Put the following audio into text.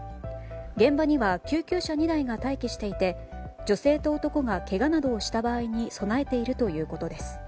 現場には救急車２台が待機していて女性と男がけがなどをした場合に備えているということです。